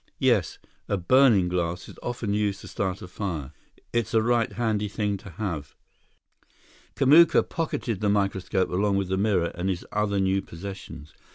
"Yes, a burning glass is often used to start a fire. It's a right handy thing to have." Kamuka pocketed the microscope along with the mirror and his other new possessions.